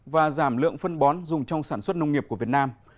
và giảm lượng phân bón dùng trong sản xuất nông nghiệp của việt nam